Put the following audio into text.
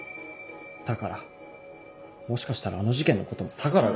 だからもしかしたらあの事件のことも相楽が。